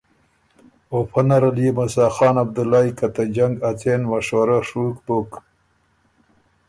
او فۀ نرل يې موسیٰ خان عبدُلئ که ته جنګ ا څېن مشورۀ ڒُوک بُک